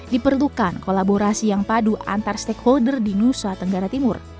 diperlukan kolaborasi yang padu antar stakeholder di nusa tenggara timur